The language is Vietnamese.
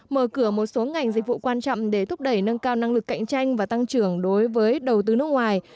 mở cửa một số ngành dịch vụ quan trọng để thúc đẩy nâng cao năng lực cạnh tranh và tăng trưởng đối với đầu tư nước ngoài